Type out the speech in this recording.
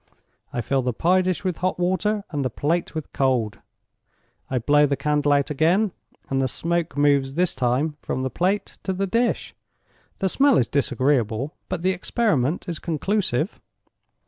I fill the pie dish with hot water, and the plate with cold; I blow the candle out again, and the smoke moves this time from the plate to the dish. The smell is disagreeable—but the experiment is conclusive."